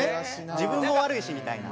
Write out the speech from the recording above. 自分も悪いしみたいな。